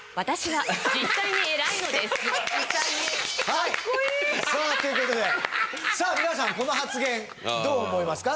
かっこいい！さあという事でさあ皆さんこの発言どう思いますか？